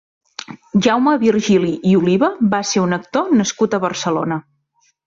Jaume Virgili i Oliva va ser un actor nascut a Barcelona.